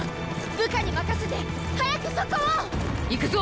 部下に任せて早くそこをっ！行くぞ！